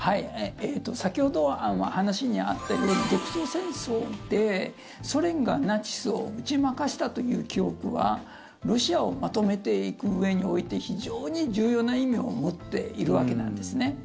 先ほど話にあったように独ソ戦争でソ連がナチスを打ち負かしたという記憶はロシアをまとめていくうえにおいて非常に重要な意味を持っているわけなんですね。